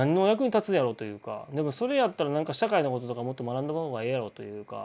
でもそれやったら社会のこととかもっと学んだ方がええやろというか。